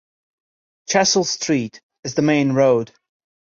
Chessel Street is the main road.